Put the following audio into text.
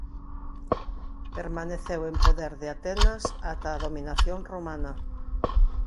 Permaneceu en poder de Atenas ata a dominación romana.